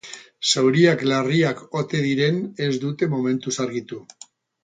Zauriak larriak ote diren ez dute momentuz argitu.